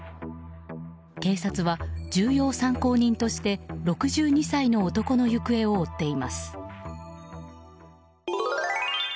警察は、重要参考人として６２歳の男の行方を追っています。